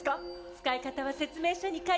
使い方は説明書に書いてあります。